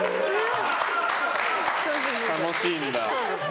楽しいんだ。